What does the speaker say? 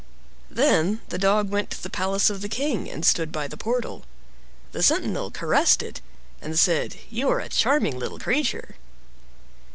Then the Dog went to the palace of the king and stood by the portal. The sentinel caressed it, and said, "You are a charming little creature!"